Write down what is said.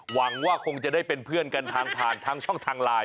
หวังว่าคงจะได้เป็นเพื่อนกันทางผ่านทางช่องทางไลน์